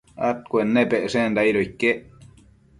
adcuennepecshenda aido iquec